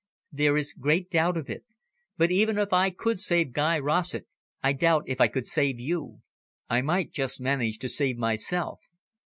"There is great doubt of it. But even if I could save Guy Rossett, I doubt if I could save you. I might just manage to save myself."